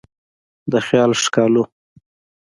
د خیال ښکالو